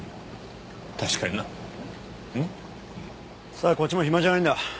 さあこっちも暇じゃないんだ。